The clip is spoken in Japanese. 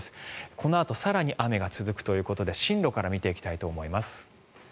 このあと更に雨が続くということで進路から見ていきたいと思います。